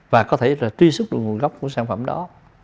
và có thể là truy xuất được nguồn gốc của sản phẩm đó